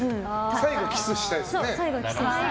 最後キスしたいですよね。